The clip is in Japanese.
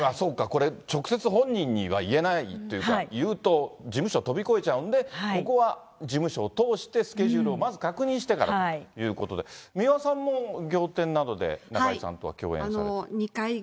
これ、直接、本人には言えないというか、言うと、事務所飛び越えちゃうんで、ここは事務所を通して、スケジュールをまず、確認してからということで、三輪さんも仰天などで中居さんと共演したり。